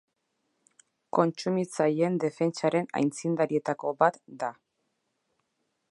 Kontsumitzaileen defentsaren aitzindarietako bat da.